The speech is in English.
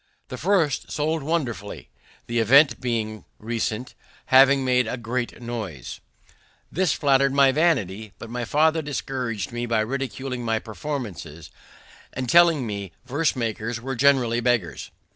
The first sold wonderfully, the event being recent, having made a great noise. This flattered my vanity; but my father discouraged me by ridiculing my performances, and telling me verse makers were generally beggars.